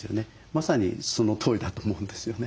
まさにそのとおりだと思うんですよね。